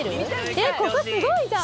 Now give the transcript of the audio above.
えっここすごいじゃん。